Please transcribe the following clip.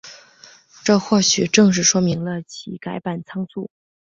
这或许正是说明了其改版仓促。